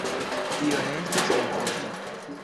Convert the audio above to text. Tio ne estas komforta.